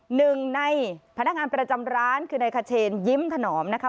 หนึ่งในพนักงานประจำร้านคือนายขเชนยิ้มถนอมนะคะ